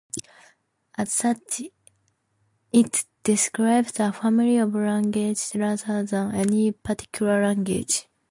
As such, it describes a family of languages rather than any particular language.